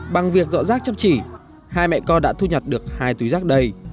bằng việc dọn rác chấp chỉ hai mẹ con đã thu nhật được hai túi rác đầy